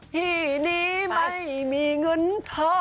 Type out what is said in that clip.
ที่นี้ไม่มีเงินเธอ